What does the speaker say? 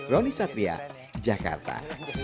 roni satria jakarta